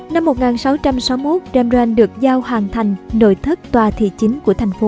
năm một nghìn sáu trăm sáu mươi một rembrandt được giao hàng thành nội thất tòa thị chính của thành phố